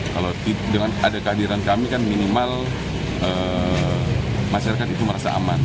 kalau dengan ada kehadiran kami kan minimal masyarakat itu merasa aman